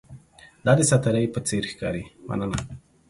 دا د ساتیرۍ په څیر ښکاري، مننه!